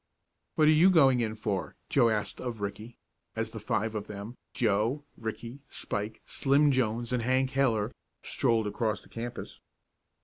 "What are you going in for?" asked Joe of Ricky, as the five of them Joe, Ricky, Spike, Slim Jones and Hank Heller strolled across the campus.